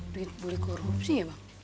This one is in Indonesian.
duit beli korupsi ya bang